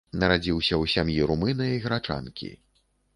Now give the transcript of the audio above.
Нарадзіўся ў сям'і румына і грачанкі.